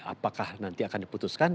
apakah nanti akan diputuskan